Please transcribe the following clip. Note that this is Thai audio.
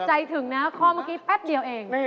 ใจถึงนะข้อเมื่อกี้แป๊บเดียวเอง